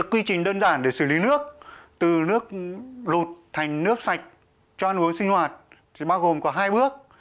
quy trình đơn giản để xử lý nước từ nước lụt thành nước sạch cho ăn uống sinh hoạt thì bao gồm có hai bước